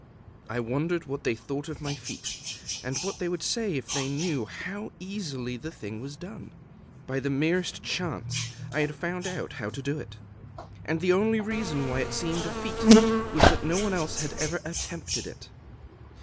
I wondered what they thought of my feat, and what they would say if they knew how easily the thing was done. By the merest chance I had found out how to do it; and the only reason why it seemed a feat was that no one else had ever attempted it.